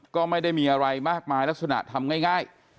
ก็ไม่ได้มีอะไรมากมายลักษณะทำง่าย